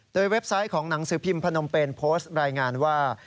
โดยเว็บไซต์ของหนังสือพิมพนมเป็นโพสต์รายงานว่า